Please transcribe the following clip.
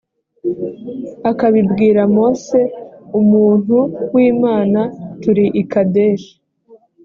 akabibwira mose umuntu w imana turi i kadeshi